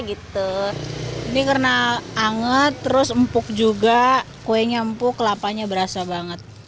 ini karena anget terus empuk juga kuenya empuk kelapanya berasa banget